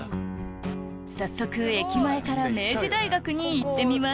早速駅前から明治大学に行ってみます